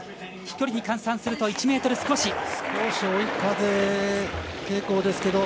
飛距離に換算すると１ｍ少し。